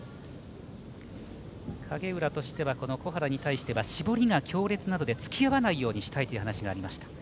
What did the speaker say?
影浦としては小原に対しては絞りが強烈なのでつきあわないようにしたいと話がありました。